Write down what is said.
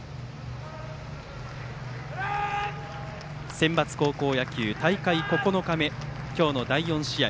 センバツ高校野球、大会９日目今日の第４試合